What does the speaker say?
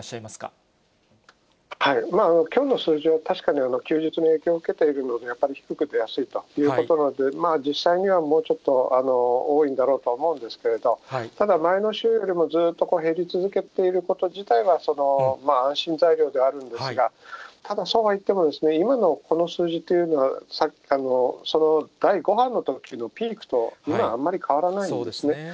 まあきょうの数字は確かに休日の影響を受けているので、やっぱり低く出やすいということなんで、実際にはもうちょっと多いんだろうと思うんですけれども、ただ、前の週よりもずーっと減り続けていること自体は、安心材料であるんですが、ただ、そうはいっても、今のこの数字というのは、第５波のときのピークと、今、あんまり変わらないんですね。